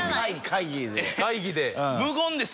会議で？